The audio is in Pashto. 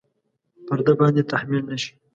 پر ده باندې تحمیل نه شي.